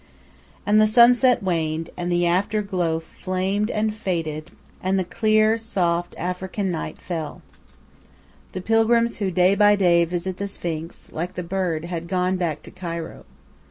And the sunset waned, and the afterglow flamed and faded, and the clear, soft African night fell. The pilgrims who day by day visit the Sphinx, like the bird, had gone back to Cairo.